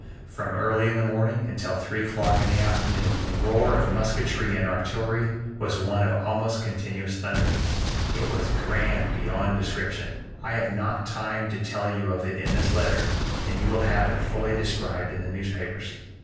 From early in the morning until three o'clock in the afternoon the roar of musketry and artillery was one almost continuous thunder. It was grand beyond description. I have not time to tell you of it in this letter, and you will have it fully described in the newspapers.